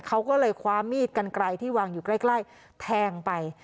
เขาก็เลยคว้ามีดกันไกลที่วางอยู่ใกล้แทงไป